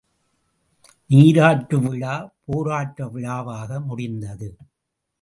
நீராட்டு விழ போராட்ட விழாவாக முடிந்தது.